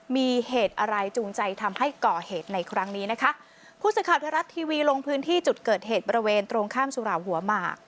มีเหตุอะไรจูงใจทำให้ก่อเหตุในครั้งนี้นะคะผู้สื่อข่าวไทยรัฐทีวีลงพื้นที่จุดเกิดเหตุบริเวณตรงข้ามสุราหัวหมาก